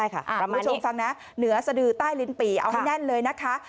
คุณผู้ชมฟังนะเหนือสดือใต้ลิ้นปี่เอาให้แน่นเลยนะคะ